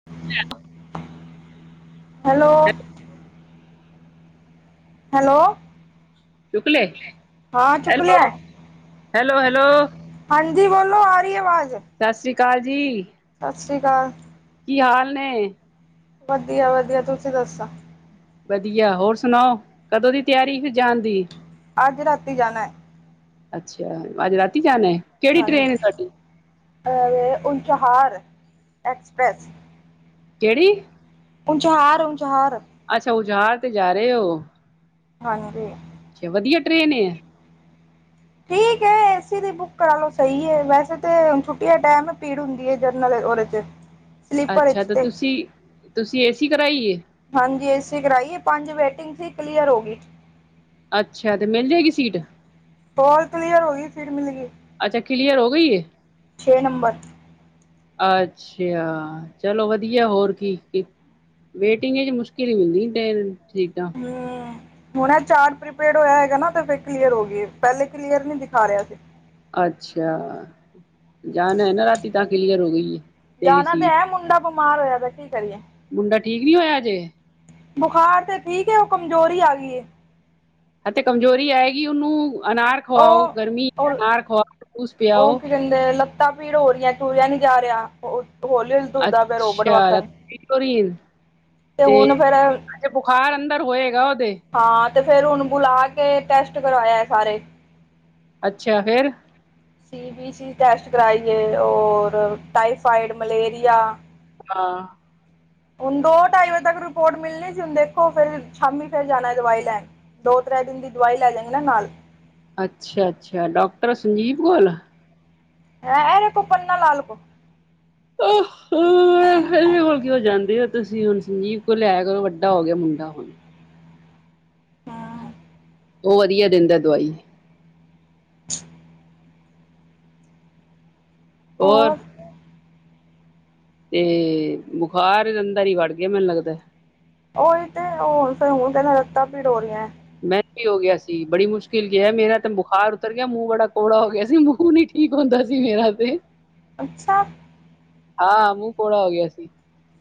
[unintelligible] Hello. Hello. ਚੁਕਲੇ ਹਾਂ ਚੁੱਕ ਹੈਲੋ। ਲਿਆ ਹੈ। ਹੈਲੋ ਹੈਲੋ ਹਾਂਜੀ ਬੋਲੋ ਆ ਰਹੀ ਆਵਾਜ਼। ਸਤਿ ਸ਼੍ਰੀ ਅਕਾਲ ਜੀ। ਸਤਿ ਸ਼੍ਰੀ ਅਕਾਲ। ਕੀ ਹਾਲ ਨੇ। ਵਧੀਆ ਵਧੀਆ ਤੁਸੀਂ ਦੱਸੋ। ਵਧੀਆ ਹੋਰ ਸੁਣਾਓ ਕਦੋਂ ਦੀ ਤਿਆਰੀ ਫ ਜਾਣ ਦੀ। ਅੱਜ ਰਾਤੀ ਜਾਣਾ ਐ। ਅੱਛਾ ਆਜ ਰਾਤੀ ਜਾਣਾ ਹੈ। ਕਿਹੜੀ ਟ੍ਰੇਨ ਹੈ ਹਾਂਜੀ ਤੁਹਾਡੀ ਉਲਤਹਾਰ ਐਕਸਪ੍ਰੈਸ ਕਿਹੜੀ ਉੁਝਹਾਰ-ਉੁਝਹਾਰ। ਅੱਛਾ ਉਜਾਟ ਜਾ ਰਹੇ ਹੋ। ਹਾਂਜੀ। ਅੱਛਾ ਵਧੀਆ ਟ੍ਰੇਨ ਏ। ਠੀਕ ਹੈ ਏਸੀ ਦੀ ਬੁੱਕ ਕਰਾ ਲਓ ਸਹੀ ਹੈ ਵੈਸੇ ਤਾਂੁ ਛੁੱਟੀ ਦਾ ਟਾਈਮ ਭੀੜ ਹੁੰਦੀ ਹੈ ਜਰਨਲ ਉਹਦੇ ਚ'। ਸਲੀਪਰ ਅੱਛਾ ਵਿੱਚ ਤੇ ਤੁਸੀਂ ਤੁਸੀਂ ਏਸੀ ਕਰਾਈ ਏ। ਹਾਂਜੀ ਏਸੀ ਕਰਾਈ ਏ ਪੰਜ ਵੇਟਿੰਗ ਸੀ ਕਲੀਅਰ ਹੋ ਗਈ। ਅੱਛਾ ਤੇ ਮਿਲ ਜਾਏਗੀ ਸੀਟ। ਕੋਲ ਕਲੀਅਰ ਹੋ ਗਈ ਫਿਰ ਮਿਲ ਗਈ। ਅੱਛਾ, ਕੀਲੀਅਰ ਹੋ ਗਈ ਏ? ਛੇ ਨੰਬਰ। ਅੱਛਾਯਾ! ਚਲੋ ਵਧੀਆ ਹੋਰ ਕੀ, ਕੀ। ਵੇਟਿੰਗ ਵਿੱਚ ਮੁਸ਼ਕਿਲ ਈ ਹੁੰਦੀ, ਤਿੰਨ ਸੀਟਾਂ। ਹੁਣੇ ਚਾਰਟ ਪ੍ਰੀਪੇਅਰਡ ਹੋਇਆ ਹੈਗਾ ਨਾ, ਤੇ ਫਿਰ ਕਲੀਅਰ ਹੋ ਗਈ ਏ। ਪਹਿਲੇ ਕਲੀਅਰ ਨੀ ਦਿਖਾ ਰਿਹਾ ਸੀ। ਅੱਛਾ। ਜਾਣਾ ਹੈ ਨਾ ਰਾਤੀ ਤਾਂ ਕਲੀਅਰ ਹੋ ਗਈ, ਤੇਰੀ ਸੀਟ। ਬਮਾਰ ਹੋਇਆਦਾ ਕੀ ਕਰੀਏ? ਮੁੰਡਾ ਠੀਕ ਨਹੀਂ ਹੋਇਆ, ਹਜੇ? ਬੁਖਾਰ ਤੇ ਠੀਕ ਐ, ਉਹ ਕਮਜ਼ੋਰੀ ਆ ਗਈ ਏ। ਹਾਂ, ਤੇ ਕਮਜ਼ੋਰੀ ਆਏਗੀ ਉਹਨੂੰ, ਅਨਾਰ ਖਵਾਓ, ਗਰਮੀ ਉਹ ਅਨਾਰ ਖਵਾਓ, ਜੂਸ ਪਿਆਓ। ਤੇ, ਲੱਤਾਂ ਪੀੜ ਹੋ ਰਹੀਆਂ, ਤੁਰਿਆ ਨੀ ਜਾ ਰਿਹਾ। ਹੌਲੀ-ਹੌਲੀ ਤੁਰਦਾ ਪਿਆ, ਰੋਬਟ ਵੱਕਣ। ਟੋਰੀਨ, ਫਿਰ ਅਜੇ ਬੁਖਾਰ ਅੰਦਰ ਹੋਏਗਾ, ਉਹਦੇ। ਹਾਂ, ਤੇ ਫਿਰ ਹੁਣ ਬੁਲਾਕੇ ਟੈਸਟ ਕਰਵਾਇਆ ਸਾਰੇ। ਅੱਛਾ, ਫਿਰ। ਸੀਬੀਸੀ ਟੈਸਟ ਕਰਾਈਏ, ਔਰ ਟਾਈਫਾਈਡ, ਮਲੇਰੀਆ ਹਾਂ। ਹੁਣ ਦੋ-ਢਾਈ ਵਜੇ ਤੱਕ ਰਿਪੋਰਟ ਮਿਲਣੀ ਸੀ ਹੁਣ ਦੇਖੋ, ਫਿਰ ਸ਼ਾਮੀ ਫਿਰ ਜਾਣਾ ਏ ਦਵਾਈ ਲੈਣ। ਦੋ-ਤ੍ਰੈ ਦਿਨ ਦੀ ਦਵਾਈ ਲੈ ਜਾਂਗੀ ਨਾ, ਨਾਲ। ਅੱਛਾ-ਅੱਛਾ, ਡਾਕਟਰ ਸੰਜੀਵ ਕੋਲ? ਹੈਂ, ਐਰੇ ਕੋ ਪਪੰਨਾ ਲਾਲ ਕੋ। ਅਹ ਹ। ਹੋਲ ਕੀ ਹੋ ਜਾਂਦੀ ਏ, ਤੁਸੀਂ ਹੁਣ ਸੰਜੀਵ ਕੋਲ ਲਿਆਇਆ ਕਰੋ ਵੱਡਾ ਹੋਗਿਆ ਮੁੰਡਾ ਹੁਣ। ਹਮ ਓਹ ਵਧੀਆ ਦਿੰਦਾ ਦਵਾਈ। [inaudible] ਹੋਰ। ਤੇ, ਬੁਖਾਰ ਇਹਦੇ ਅੰਦਰ ਹੀ ਵੜ ਗਿਆ, ਮੈਨੂੰ ਲੱਗਦਾ। ਉਹੀ ਤੇ ਹੁਨ, ਫਿਰ ਹੁਣ ਕਹਿ ਰਿਹਾ, ਲੱਤਾਂ ਪੀੜ ਹੋ ਰਹੀਆਂ। ਮੈਂਨ ਵੀ ਹੋਗਿਆ ਸੀ। ਬੜੀ ਮੁਸ਼ਕਿਲ ਗਿਆ, ਮੇਰਾ ਤੇ ਬੁਖ਼ਾਰ ਉਤਰ ਗਿਆ, ਮੂੰਹ ਬੜਾ ਕੌੜਾ ਹੋਗਿਆ ਸੀ, ਮੂੰਹ ਨੀ ਠੀ ਠੀਕ ਹੁੰਦਾ ਸੀ, ਮੇਰਾ ਤੇ। ਅੱਛਾ! ਹਾਂ, ਮੂੰਹ ਕੌੜਾ ਹੋਗਿਆ ਸੀ।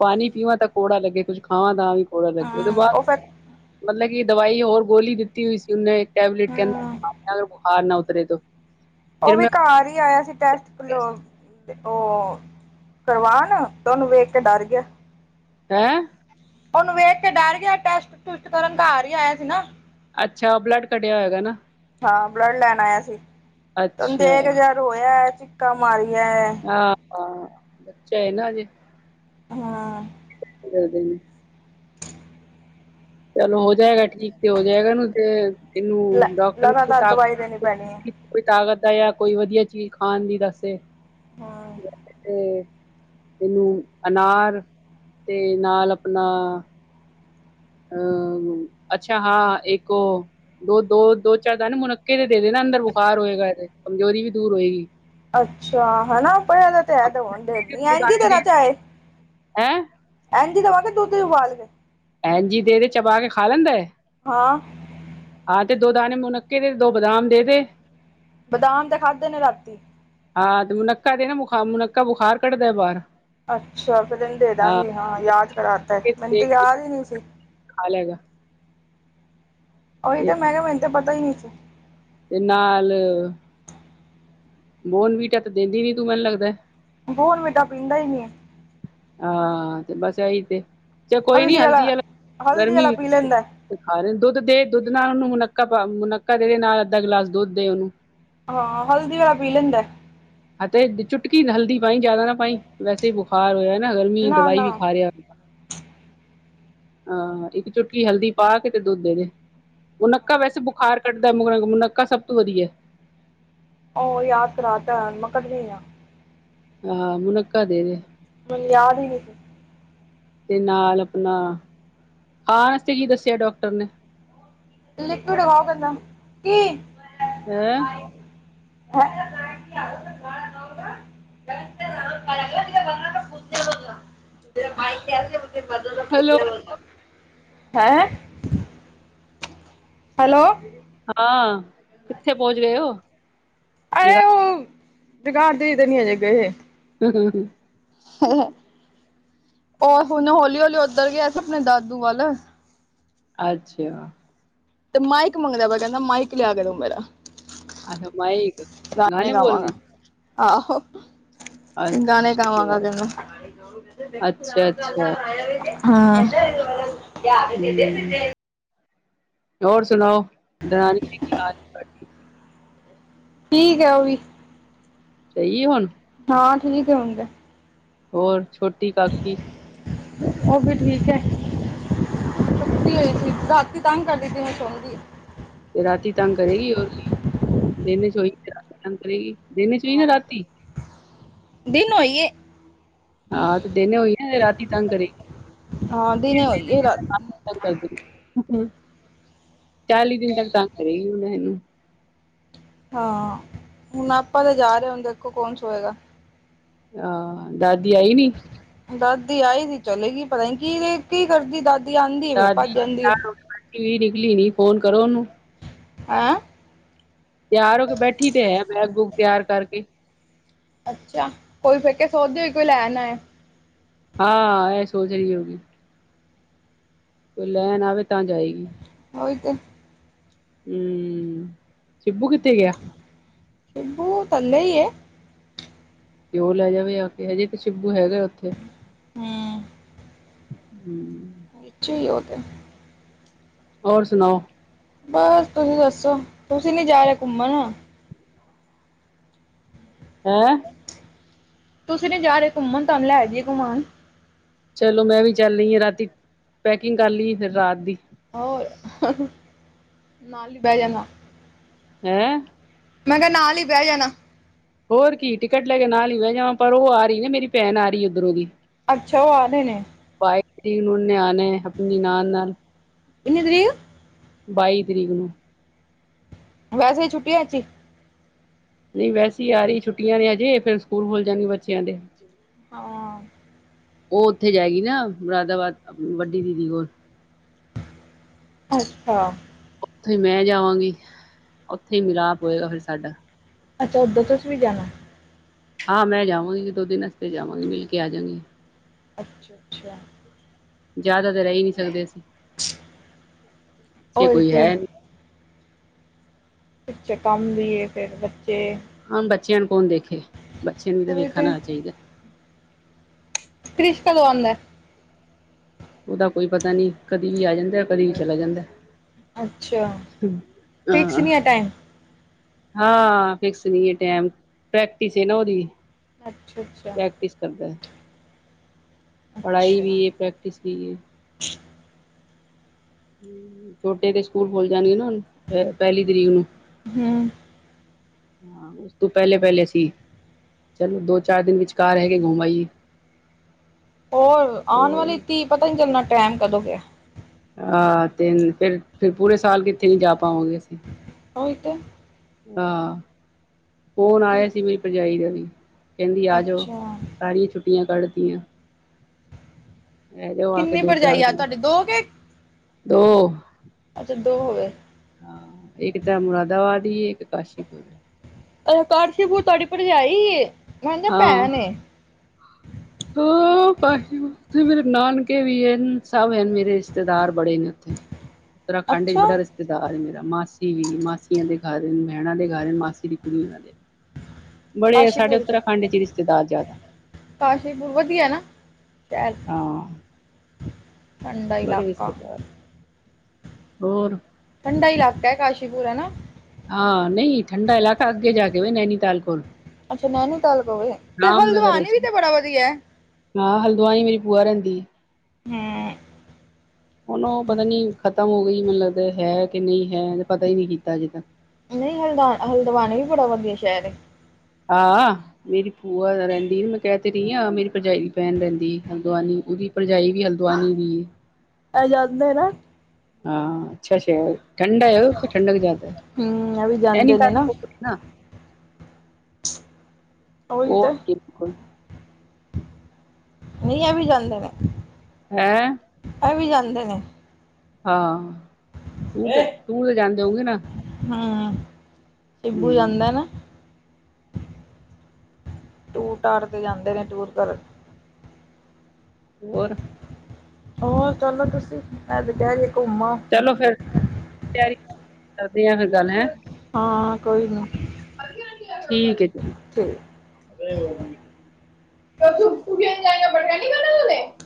ਪਾਣੀ ਪੀਵਾਂ ਤਾਂ ਕੌੜਾ ਲੱਗੇ, ਕੁੱਝ ਖਾਵਾਂ ਤਾਂ ਵੀ। ਨਾ ਲੱਗੇ, ਉਹਦੇ ਹਮ ਬਾਅਦ, ਉਹ ਫਿਰ ਮਤਲਬ ਕਿ ਦਵਾਈ ਹੋਰ ਗੋਲੀ ਦਿੱਤੀ ਹੋਈ ਸੀ ਉਹਨੇ ਟੈਬਲੇਟ ਹਮ ਕਿੰਹਦਾ, ਅੰਦਰੋਂ ਬੁਖਾਰ ਨਾ ਉਤਰੇ ਤੋ। ਉਹ ਫਿਰ ਵੀ ਮੈਂ ਘਰ ਹੀ ਆਇਆ ਸੀ, ਟੈਸਟ ਬਲੋ ਤੇ ਉਹ ਕਰਵਾਨ, ਤਾਂ ਉਹਨੂੰ ਵੇਖਕੇ ਡਰ ਗਿਆ। ਹੈਂ! ਉਹਨੂੰ ਵੇਖਕੇ ਡਰਗਿਆ, ਟੈਸਟ-ਟੁਸਟ ਕਰਨ ਘਰ ਹੀ ਆਇਆ ਸੀ, ਨਾ। ਅੱਛਾ, ਬਲੱਡ ਕਢਿਆ‌ ਹੋਏਗਾ ਨਾ? ਹਾਂ, ਬਲੱਡ ਲੈਣ ਆਇਆ ਸੀ। ਤੇ ਉਹਨੂੰ ਅੱਛਾ ਦੇਕੇ ਹਾਂ ਜਰਾ ਰੋਇਆ, ਚੀਕਾ ਮਾਰਿਆਂ। ਹਾਂ-ਹਾਂ ਬੱਚਾ ਏ ਨਾ, ਹਜੇ। ਹੂੰ। ਹ [unintelligible] ਚਲੋ, ਹੋ ਜਾਏਗਾ ਠੀਕ, ਤੇ ਹੋ ਜਾਏਗਾ ਨਾ, ਤੇ ਲ ਇਹਨੂੰ ਡਾਕਟਰ ਕੋਲ ਲਗਾਤਾਰ ਤਾਕਤ ਦਵਾਈ ਦੇਣੀ ਦੀ ਪੈਣੀ ਹੈ ਕੋਈ ਤਾਕਤ ਦਾ, ਯਾ ਕੋਈ ਵਧੀਆ ਚੀਜ਼ ਖਾਣ ਦੀ ਦੱਸੇ। ਹਾਂ। ਤੇ, ਇਹਨੂੰ ਅਨਾਰ ਤੇ ਨਾਲ, ਅਪਨਾ ਅਂ, ਅੱਛਾ, ਹਾਂ, ਇੱਕ ਓ ਦੋ-ਦੋ, ਦੋ-ਚਾਰ ਦਾਣੇ ਮੁਣੁੱਕੇ ਦੇ ਦੇਦੇ ਨਾ ਅੰਦਰ ਬੁਖਾਰ ਹੋਏਗਾ ਇਹਦੇ, ਕਮਜ਼ੋਰੀ ਵੀ ਦੂਰ ਹੋਏਗੀ। ਅੱਛਾ, ਹੈਨਾ, ਪਹਿਲਾਂ ਤੇ ਐ, ਦਵਾਂ ਦੇਖਦੀ ਆਂ, ਐਂਝੀ ਦੇਣਾ ਚਾਹੇ। ਹੈਂ? ਇੰਜ ਹੀ ਦੇਵਾਂ, ਕਿ ਦੁੱਧ ਚ ਉਬਾਲ ਕੇ। ਐਨ ਜ ਹੀ ਦੇ ਦੇ, ਚਬਾ ਕੇ ਖਾ ਲੈਂਦਾ ਐ। ਹਾਂ। ਹਾਂ, ਤੇ ਦੋ ਦਾਣੇ ਮੁਨੱਕੇ ਦੇ, ਦੋ ਬਦਾਮ ਦੇ ਦੇ। ਬਦਾਮ ਤੇ ਖਾਧੇ ਨੇ, ਰਾਤੀ। ਹਾਂ, ਤੇ ਮੁਨੱਕਾ ਦੇ ਨਾ। ਬੁਖਾਰ, ਮੁਨੱਕਾ ਬੁਖਾਰ ਕੱਢਦਾ ਬਾਹਰ। ਅੱਛਾ, ਫੇਰ ਤੈਨੂੰ ਦੇ ਦਾਂਗੀ। ਹਾਂ, ਯਾਦ ਕਰਾਤਾ। ਮੈਨੂੰ ਤਾਂ ਯਾਦ ਹੀ ਨਹੀਂ ਸੀ। ਖਾ ਲੇਗਾ। ਉਹੀ ਤੇ, ਮੈਂ ਕਿਹਾ ਮੈਨੂੰ ਤੇ ਪਤਾ ਹੀ ਨਹੀਂ। ਤੇ, ਨਾਲ ਬੋਨਵੀਟਾ ਤਾਂ ਦੇਂਦੀ ਨੀ, ਤੂੰ ਮੈਨੂੰ ਲੱਗਦਾ। ਬੋਰਨਵੀਟਾ ਪੀਂਦਾ ਹੀ ਨਹੀਂ। ਹਾਂ, ਤੇ ਬਸ ਇਹੀ ਤੇ। ਚਲੋ ਕੋਈ ਨੀ, ਹਲਦੀ ਵਾਲਾ ਦੁੱਧ, ਹਲਦੀ ਗਰਮੀ। ਵਾਲਾ ਪੀ ਲੈਂਦਾ ਹੈ। ਆਰੇ ਨੂੰ ਦੁੱਧ ਦੇ, ਦੁੱਧ ਨਾਲ ਉਹਨੂੰ ਮੁਨੱਕਾ ਪਾ ਦੇ। ਮੁਨੱਕੇ ਦੇ ਨਾਲ ਅੱਧਾ ਗਿਲਾਸ ਦੁੱਧ ਦੇ ਉਹਨੂੰ। ਹਾਂ, ਹਲਦੀ ਵਾਲਾ ਪੀ ਲੈਂਦਾ। ਅਤੇ ਚੁਟਕੀ ਹਲਦੀ ਪਾਈ, ਜ਼ਿਆਦਾ ਨਾ ਪਾਈ। ਵੈਸੇ ਬੁਖਾਰ ਹੋਇਆ ਨਾ, ਗਰਮੀ। ਨਾ ਦਵਾਈ ਨਾ ਵੀ ਖਾ ਰਿਹਾ। ਇੱਕ ਚੁਟਕੀ ਹਲਦੀ ਪਾ ਕੇ, ਤੇ ਦੁੱਧ ਦੇ ਦੇ। ਮੁਨੱਕਾ ਵੈਸੇ ਬੁਖਾਰ ਕੱਢਦਾ। ਮੁਨੱਕਾ ਸਭ ਤੋਂ ਵਧੀਆ ਈ। ਉਹ ਯਾਦ ਕਰਰਾਤ ਮੈਂ [unintelligible] ਕਦੀ ਹਾਂ ਹਾਂ, ਮੁਨੱਖਾ ਦੇ ਦੇ। ਮੈਨੂੰ ਯਾਦ ਹੀ ਨਹੀਂ ਸੀ। ਤੇ ਨਾਲ ਆਪਣਾ, ਖਾਣ ਵਾਸਤੇ ਕੀ ਦੱਸਿਆ ਡਾਕਟਰ ਨੇ। ਲਿਕਵਡ ਦਵਾ ਖਤਮ। ਕੀ ਹੈਂ। [unintelligible] [unintelligible] ਤੇ ਮਤਲਬ ਹੈਲੋ ਖੋਤੇ ਵਰਗਾ। ਹੈ। ਹੈਲੋ। ਹਾਂ, ਕਿੱਥੇ ਪਹੁੰਚ ਗਏ ਹੋ? ਜਗਾ ਅਰੇ ਉਹ, ਜਗਾਧਰੀ ਤੇ ਨੀ ਅਜੇ ਗਏ। ਹੂੰ- ਹੂੰ, ਹੂੰ। ਉਹ ਹੁਣ ਹੌਲੀ- ਹੌਲੀ ਉੱਧਰ ਗਿਆ ਆਪਣੇ ਦਾਦੂ ਵੱਲ ਹੈ। ਅੱਛੇਆ। ਤੇ ਮਾਈਕ ਮੰਗਦਾ ਪਿਆ। ਕਹਿੰਦਾ ਮਾਈਕ ਲਿਆ ਕੇ ਦਿਓ ਮੇਰਾ। ਅੱਛਾ ਮਾਈਕ ਗਾਣੇ ਗਾਵਾਂਗਾ, ਬੋਲਣੇ ਆਹੋ। ਗਾਣੇ ਅੱਛਾ, ਗਾਵਾਂਗਾ ਕਹਿੰਦਾ। ਅੱਛਾ-ਅੱਛਾ ਹਾਂ। ਹੂੰ, [unintelligible] ਹੋਰ ਸੁਣਾਓ? ਦਨਾਨੀ ਦੇ ਕੀ ਹਾਲ ਹੈ। ਠੀਕ ਹੈ ਉਹ ਵੀ। ਸਹੀ ਏ ਹੁਣ। ਹਾਂ, ਠੀਕ ਹੈ ਹੁਣ ਤੇ। ਹੋਰ, ਛੋਟੀ ਕਾਕੀ? ਉਹ ਵੀ ਠੀਕ ਹੈ। ਛੇਤੀ ਹੋਣੀ ਸੀ। ਰਾਤੀ ਤੰਗ ਕਰਦੀ, ਦਿਨੇ ਸੋਣਦੀ ਏ। ਤੇ ਰਾਤੀ ਤੰਗ ਕਰੇਗੀ। ਹੋਰ ਕੀ, ਦਿਨੇ ਸੋਇਗੀ, ਤੇ ਰਾਤੀ ਤੰਗ ਕਰੇਗੀ। ਦਿਨ ਚ ਹੋਈ ਹਾਂ ਯਾ, ਰਾਤੀ। ਦਿਨ ਹੋਈਏ। ਹਾਂ ਤੇ ਦਿਨ ਹੋਈ ਆ, ਤੇ ਰਾਤੀ ਤੰਗ ਕਰੇਗੀ। ਹਾਂ ਦਿਨੇ ਹੋਈਏ ਰਾਤ ਬਹੁਤ ਤੰਗ ਕਰਦੇ ਨੇ, ਹੂੰ। ਚਾਲੀ ਦਿਨ ਤੱਕ ਤਾਂਗ ਕਰੇ ਹੀ ਹੁਣ ਇਹਨੂੰ। ਹਾਂ, ਹੁਣ ਆਪਾਂ ਤਾਂ ਜਾ ਰਹੇ। ਹੁਣ ਦੇਖੋ ਕੌਣ ਸੋਏਗਾ। ਹਾਂ, ਦਾਦੀ ਆਈ ਨੀ। ਦਾਦੀ ਆਈ ਸੀ ਚਲੇਗੀ ਪਤਾ ਨੀ ਕੀ -ਕੀ ਕਰਦੀ ਦਾਦੀ ਆਉਂਦੀ ਹੈ ਫਿਰ ਭੱਜ ਦਾਦੀ ਜਾਂਦੀ ਹੈ ਵੀ ਨਿਕਲੀ ਨੀ ਫੋਨ ਕਰੋ ਉਹਨੂੰ ਹੈਂ ਤਿਆਰ ਹੋ ਕੇ ਬੈਠੀ ਤੇ ਹੈ ਬੈਗ ਬੂਗ ਤਿਆਰ ਕਰਕੇ ਅੱਛਾ, ਕੋਈ ਫਿਰਕੇ ਸੋਚਦੀ ਹੋ ਕੋਈ ਲੈ ਨਾ ਹੈ ਹਾਂ ਇਹ ਸੋਚ ਰਹੀ ਹੋਗੀ ਕੋਈ ਲੈਣ ਆਵੇ, ਤਾਂ ਜਾਏਗੀ ਉਹੀ ਤੇ ਹਮ, ਸ਼ਬੂ ਕਿੱਥੇ ਗਿਆ ਸਿਬੂ ਇਕੱਲਾ ਏ ਤੇ ਉਹ ਲੈ ਜਾਵੇ ਆ ਕੇ, ਹਜੇ ਤੇ ਸ਼ਿਬੂ ਹੈਗਾ ਉੱਥੇ ਹਮ ਹਮ ਇਛੇ ਹੀ ਉਹਦੇ ਹੋਰ ਸੁਣਾਓ ਬਸ ਤੁਸੀਂ ਦੱਸੋ ਤੁਸੀਂ ਨੀ ਜਾ ਰਹੇ ਘੁੰਮਣ ਹੈਂ ਤੁਸੀਂ ਨੀ ਜਾ ਰਹੇ ਘੁੰਮਣ, ਤੁਹਾਨੂੰ ਲੈ ਜਾਈਏ ਘੁਮਾਣ ਚਲੋ ਮੈਂ ਵੀ ਚੱਲ ਰਹੀ ਹਾਂ ਰਾਤੀ, ਪੈਕਿੰਗ ਕਰ ਲਈ ਫਿਰ ਰਾਤ ਦੀ ਹੋਰ, ਨਾਲ ਹੀ ਬਹਿ ਜਾਣਾ ਹੈਂ ਮੈਂ ਕਿਹਾ ਨਾਲ ਹੀ ਬਹਿ ਜਾਣਾ ਹੋਰ ਕੀ ਟਿਕਟ ਲੈ ਕੇ ਨਾਲ ਹੀ ਬਹਿ ਜਾਵਾਂ ਪਰ ਉਹ ਆ ਰਹੀ ਨਾ ਮੇਰੀ ਭੈਣ ਆ ਰਹੀ ਉੱਧਰੋਂ ਦੀ ਅੱਛਾ ਉਹ ਆ ਰਹੇ ਨੇ ਵਾਈ ਨਿਆਣੇ ਆਪਣੀ ਨਾਲ-ਨਾਲ ਕਿੰਨੀ ਤਰੀਕ ਬਾਈ ਤਰੀਕ ਨੂੰ ਵੈਸੇ ਛੁੱਟੀ ਅਚੀ ਨਹੀਂ ਵੈਸੇ ਆ ਰਹੀ ਛੁੱਟੀਆਂ ਨੇ ਹਜੇ ਫਿਰ ਸਕੂਲ ਖੁੱਲ ਜਾਣਗੇ ਬੱਚਿਆਂ ਦੇ ਹਾਂ ਉਹ ਉੱਥੇ ਜਾਏਗੀ ਨਾ ਮੁਰਾਦਾਬਾਦ ਵੱਡੀ ਦੀਦੀ ਕੋਲ ਅੱਛਾ ਉੱਥੇ ਮੈਂ ਜਾਵਾਂਗੀ, ਉੱਥੇ ਹੀ ਮਿਲਾਪ ਹੋਏਗਾ ਫਿਰ ਸਾਡਾ ਅੱਛਾ ਉੱਧਰ ਤੁਸੀ ਵੀ ਜਾਣਾ ਹਾਂ ਮੈਂ ਜਾਵਾਂਗੀ ਦੋ ਦਿਨ ਰਸਤੇ ਜਾਵਾਂਗੀ ਮਿਲ ਕੇ ਆ ਜਾਵਾਗੀ ਅੱਛਾ ਅੱਛਾ ਜ਼ਿਆਦਾ ਤਾਂ ਰਹਿ ਨਹੀਂ ਸਕਦੇ ਅਸੀਂ, ਪਿੱਛੇ ਉਹੀ ਕੋਈ ਤੇ ਹੈ ਨਹੀਂ ਪਿੱਛੇ ਕੰਮ ਵੀ ਹੈ ਫਿਰ ਬੱਚੇ ਹਾਂ ਬੱਚਿਆਂ ਨੂੰ ਕੌਣ ਦੇਖੇ, ਬੱਚਿਆਂ ਨੂੰ ਵੀ ਤਾਂ ਉਹੀ ਤੇ ਵੇਖਣਾ ਚਾਹੀਦਾ ਕ੍ਰਿਸ ਕਦੋ ਆਉਂਦਾ ਉਹਦਾ ਕੋਈ ਪਤਾ ਨੀ, ਕਦੀ ਵੀ ਆ ਜਾਂਦਾ ਕਦੀ ਵੀ ਚਲਾ ਜਾਂਦਾ ਅੱਛਾ ਆਹ ਫਿਕਸ ਆਹ ਨੀ ਹੈ ਟਾਈਮ ਹਾਂ ਫਿਕਸ ਨਹੀਂ ਹੈ ਟਾਈਮ, ਪ੍ਰੈਕਟਿਸ ਹੈ ਨਾ ਉਹਦੀ ਅੱਛਾ, ਅੱਛਾ ਕਰਦੇ ਪੜ੍ਹਾਈ ਵੀ ਅੱਛਾ ਹੈ, ਪ੍ਰੈਕਟਿਸ ਵੀ ਹੈ ਛੋਟੇ ਤੇ ਸਕੂਲ ਖੁੱਲ ਜਾਣਗੇ ਨਾ ਹੁਣ ਪਹਿਲੀ ਤਰੀਕ ਨੂੰ ਹਮ ਹਮ ਹਾਂ ਉਸ ਤੋਂ ਪਹਿਲੇ- ਪਹਿਲੇ ਸੀ ਚਲੋ ਦੋ- ਚਾਰ ਦਿਨ ਵਿਚਕਾਰ ਹੈਗੇ ਘੁੰਮ ਆਈਏ ਹੋਰ ਆਉਣ ਹੋਰ ਵਾਲੀ ਧੀ ਪਤਾ ਨੀ ਟਾਈਮ ਕਦੋਂ ਗਿਆ ਆਹ ਤੇਨ ਫਿਰ ਪੂਰੇ ਸਾਲ ਕਿੱਥੇ ਨੀ ਜਾ ਪਾਵਗੇ ਅਸੀ। ਹੋ ਇਹ ਤੋ। ਆਹ ਫੌਨ ਤੀਹ ਆਇਆ ਸੀ ਮੇਰੀ ਭਰਜਾਈ ਦਾ ਵੀ। ਕਹਿੰਦੀ ਆ ਜਾਓ ਅੱਛਾ ਸਾਰੀਆ ਛੁੱਟੀਆ ਕੱਢਦੀਆ। ਰ ਜੋ ਆ ਕੇ ਕਿੰਨੀ ਦੋ ਭਰਜਾਈ ਚਾਰ ਆ ਦਿਨ ਤੁਹਾਡੇ ਦੋ ਕੇ ਦੋ ਅੱਛਾ ਦੋ ਹੋਵੇ। ਹਾਂ ਇੱਕ ਤਾ ਮੁਰਾਦਾਬਾਦ ਹੀ ਹੈ ਇੱਕ ਕਾਸ਼ੀਪੁਰ। ਅਛ ਕਾਸ਼ੀਪੁਰ ਤੁਹਾਡੀ ਭਰਜਾਈ ਏ ਮੈਂ ਸਮਝਿਆ ਹਾਂ ਭੈਣ ਏ। ਹਾਂ ਉਥੇ ਮੇਰੇ ਨਾਨਕੇ ਵੀ ਹਨ ਸਭ ਮੇਰੇ ਰਿਸ਼ਤੇਦਾਰ ਬੜੇ ਨੇ ਉੱਥੇ। ਉੱਤਰਾਖੰਡ ਵਿੱਚ ਅੱਛਾ ਬੜਾ ਰਿਸ਼ਤੇਦਾਰ ਮੇਰਾ ਮਾਸੀ ਵੀ ਮਾਸੀਆ ਦੇ ਘਰ ਬਹਿਣਾ ਦੇ ਘਰ ਮਾਸੀ ਦੀ ਕੁੜੀ ਉਹਨਾ ਦੇ। ਬੜੇ ਸਾਡੇ ਕਾਸ਼ੀਪੁਰ ਚ ਉੱਤਰਾਖੰਡ ਰਿਸ਼ਤੇਦਾਰ ਜ਼ਿਆਦਾ ਕਾਸ਼ੀਪੁਰ ਵਧੀਆ ਨਾ। [unintelligible] ਹਾਂ ਠੰਡਾ ਬੜੇ ਇਲਾਕਾ। ਰਿਸ਼ਤੇਦਾਰ ਹੋਰ ਠੰਡਾ ਇਲਾਕਾ ਹੈ ਕਾਸ਼ੀਪੁਰ ਹਨਾ। ਹਾਂ ਨਹੀ ਠੰਡਾ ਇਲਾਕਾ ਅੱਗੇ ਜਾ ਕੇ ਵੇ ਨੈਨੀਤਾਲ ਕੋਲ। ਅੱਛਾ ਨੈਨੀਤਾਲ ਕੋਲੇ ਏ ਤੇ ਰਾਮਨਗਰ ਹਲਦਵਾਨੀ ਵਿੱਚ ਵੀ ਤੇ ਬੜਾ ਵਧੀਆ। ਹਾਂ ਹਲਦਆਈ ਮੇਰੀ ਭੂਆ ਰਹਿੰਦੀ ਐ। ਹਾਂ ਹੁਨ ਉਹ ਪਤਾ ਨੀ ਖਤਮ ਹੋ ਗਈ ਮੈਨੂੰ ਲੱਗਦਾ ਹੈ ਕਿ ਨਹੀਂ ਹੈ ਪਤਾ ਹੀ ਨੀ ਕੀਤਾ ਅਜੇ ਤੱਕ। ਨਹੀ ਹਲਦਾਂ ਹਲਦਵਾਨੀ ਵੀ ਬੜਾ ਵਧੀਆ ਸ਼ਹਿਰ ਏ। ਹਾਂ ਮੇਰੀ ਭੂਆ ਰਹਿੰਦੀ ਮੈਂ ਕਹਿ ਤੇ ਰਹੀ ਹਾਂ ਮੇਰੀ ਭਰਜਾਈ ਦੀ ਭੈਣ ਰਹਿੰਦੀ ਹਲਦਵਾਨੀ ਉਹਦੀ ਭਰਜਾਈ ਵੀ ਹਲਦਵਾਨੀ ਦੀ। ਏ ਜਾਂਦਾ ਨਾ ਹਾਂ ਅੱਛਾ ਸ਼ਹਿਰ ਠੰਡਾ ਹੈ ਓਥੇ ਠੰਡਕ ਜਾਦਾ ਏ ਹਮ ਇਹ ਵੀ ਜਾਂਦੇ ਨੇ ਨਾ ਨੈਨੀਤਾਲ ਨਾ ਉਹੀ ਉਹ ਤੇ ਬਿਲਕੁਲ ਨਈ ਇਹ ਵੀ ਜਾਂਦੇ ਨੇ। ਹੈਂ ਇਹ ਵੀ ਜਾਂਦੇ ਨੇ। ਹਾਂ ਟੂਰ ਤੇ ਜਾਂਦੇ ਹੋਗੇ ਨਾ। ਹਮ ਸ਼ਿੱਬੂ ਜਾਂਦਾ ਹਮ ਨਾ। ਟੂਰ ਟਾਰ ਤੇ ਜਾਂਦੇ ਨੇ ਟੂਰ ਕਰਨ। ਹੋਰ ਹੋਰ ਚਲੋ ਤੁਸੀਂ ਮੈਂ ਤੇ ਕਿਹ ਰਹੀ ਹਾਂ ਘੁੰਮ ਆਓ। ਚਲੋ ਫੇਰ ਤਿਆਰੀ ਕਰਦੇ ਹ [unintelligible] ਗੱਲ ਹੈ। ਹਾਂ ਕੋਈ ਨੀ। ਠੀਕ ਏ। [unintelligible] [unintelligible]